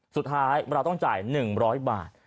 สุดท้ายเราต้องจ่าย๑๐๐บาท